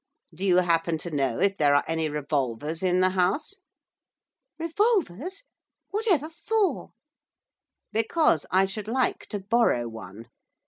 Do you happen to know if there are any revolvers in the house?' 'Revolvers? whatever for?' 'Because I should like to borrow one.